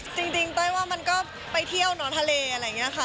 จริงเต้ยว่ามันก็ไปเที่ยวเหนือทะเลอะไรอย่างนี้ค่ะ